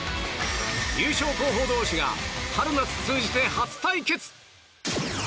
優勝候補同士が春夏通じて初対決！